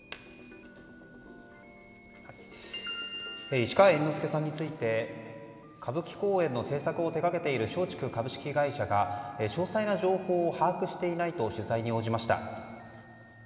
市川猿之助さんについて歌舞伎公演の制作を手掛けている松竹株式会社が詳細な情報を把握していないと取材に応じました。